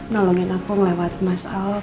nolongin aku melewat masalah